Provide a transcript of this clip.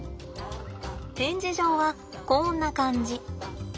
展示場はこんな感じ。